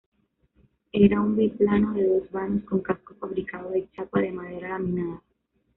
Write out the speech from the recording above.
Era un biplano de dos vanos con casco fabricado de chapa de madera laminada.